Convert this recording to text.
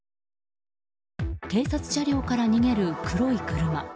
警察車両から逃げる黒い車。